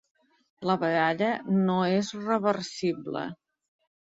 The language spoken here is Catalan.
La baralla no és reversible.